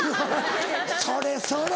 それそれ！